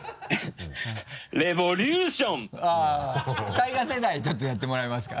「ＴＡＩＧＡ世代」ちょっとやってもらえますか？